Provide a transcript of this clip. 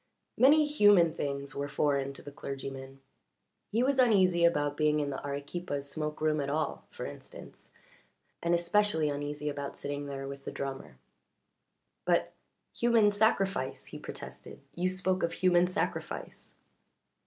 Many human things were foreign to the clergyman: he was uneasy about being in the Arequipa's smoke room at all, for instance, and especially uneasy about sitting there with the drummer. "But human sacrifice!" he protested. "You spoke of human sacrifice."